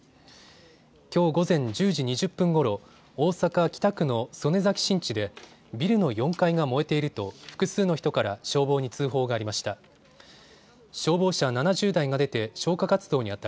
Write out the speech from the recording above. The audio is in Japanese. きょう午前１０時２０分ごろ、大阪北区の曽根崎新地でビルの４階が燃えていると複数の人から消防に通報がありました。